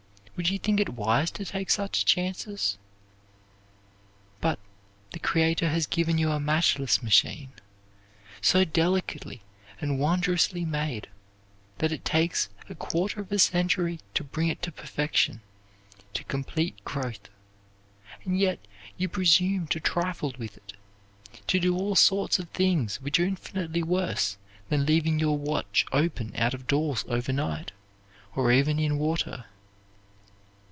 Would you think it wise to take such chances? But the Creator has given you a matchless machine, so delicately and wondrously made that it takes a quarter of a century to bring it to perfection, to complete growth, and yet you presume to trifle with it, to do all sorts of things which are infinitely worse than leaving your watch open out of doors overnight, or even in water.